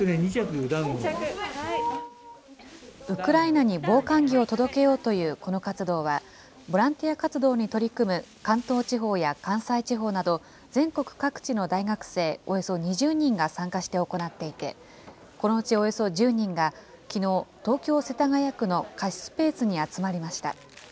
ウクライナに防寒着を届けようというこの活動は、ボランティア活動に取り組む関東地方や関西地方など、全国各地の大学生およそ２０人が参加して行っていて、このうちおよそ１０人が、きのう、東京・世田谷区の貸しスペースに集まりました。